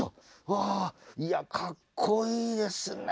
わあいやかっこいいですね。